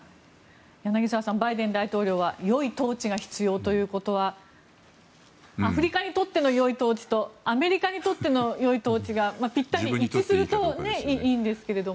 柳澤さんバイデン大統領はよい統治が必要ということはアフリカにとってのよい統治とアメリカにとってのよい統治がぴったり一致するといいんですけれども。